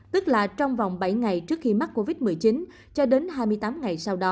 tức là trong vòng bảy ngày trước khi mắc covid một mươi chín cho đến hai mươi tám tháng